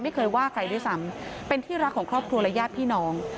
ไม่เคยว่าใครด้วยซ้ำเป็นที่รักของครอบครัวและญาติพี่น้อง